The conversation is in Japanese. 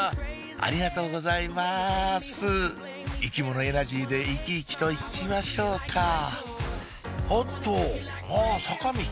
ありがとうございます生き物エナジーで生き生きと行きましょうかあっとあ坂道